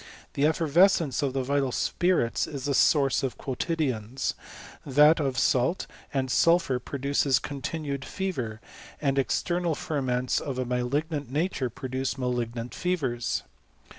The eSba* vescence of the vital spirits is the source of quotidiana^ that of salt and sulphur produces continued fever; and external ferments of a malignant nature producas malignant fevers.